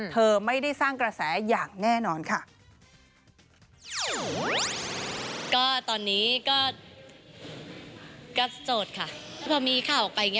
เธอไม่ได้สร้างกระแสอย่างแน่นอนค่ะ